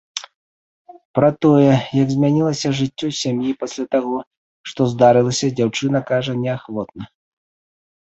Пра тое, як змянілася жыццё сям'і пасля таго, што здарылася, дзяўчына кажа неахвотна.